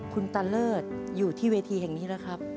คุณตาเลิศอยู่ที่เวทีแห่งนี้นะครับ